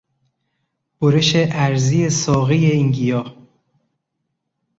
برش عرضی ساقهی این گیاه